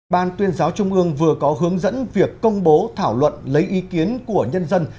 ban tuyên giáo trung ương vừa có hướng dẫn việc công bố thảo luận lấy ý kiến của nhân dân